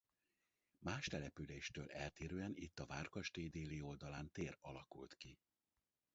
Más településtől eltérően itt a várkastély déli oldalán tér alakult ki.